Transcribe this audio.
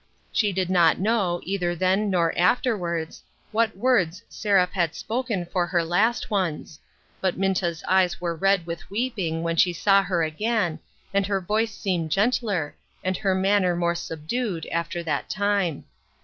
She did not know, either then nor afterwards, what words Seraph had spoken for her last ones ; but Minta's eyes were red with weeping when she saw her again, and her voice seemed gentler, and her man ner more subdued, after that time.